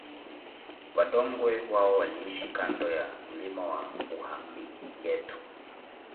Vadongwe wao waliishi kando ya milima ya Uhambingeto